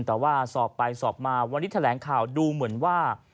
แต่ว่าสอบไปสอบมาวันนี้แถลงข่าวดูเหมือนว่า